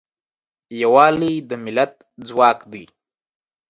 یوالی د ملت ځواک دی.